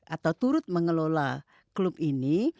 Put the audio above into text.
atau turut mengelola klub ini